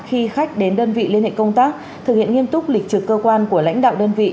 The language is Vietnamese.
khi khách đến đơn vị liên hệ công tác thực hiện nghiêm túc lịch trực cơ quan của lãnh đạo đơn vị